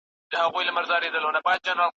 د وړانګو کارول په څېړنه کې ګټور دي.